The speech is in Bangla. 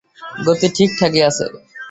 গতি ঠিকঠাকই আছে।